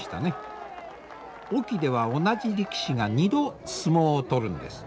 隠岐では同じ力士が２度相撲を取るんです。